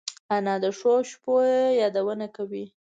انا د ښو شپو یادونه کوي